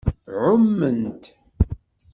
Ɛument.